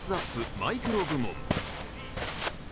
マイクロ部門。